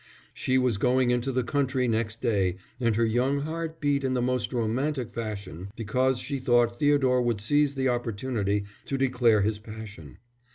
She was going into the country next day, and her young heart beat in the most romantic fashion because she thought Theodore would seize the opportunity to declare his passion.